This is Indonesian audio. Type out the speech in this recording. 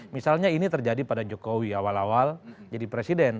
misalnya ini terjadi pada jokowi awal awal jadi presiden